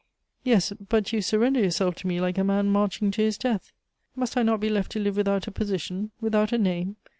"Yes, but you surrender yourself to me like a man marching to his death." "Must I not be left to live without a position, without a name?